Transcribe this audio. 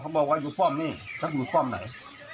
เขาก็บอกว่าอยู่ป้อมนี่ถ้าอยู่ป้อมไหน